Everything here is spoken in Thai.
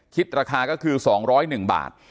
คิดราคาก็คือ๒๐๑บาท